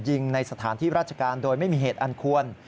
ยิงในสถานที่ราชการโดยไม่มีเหตุอันควร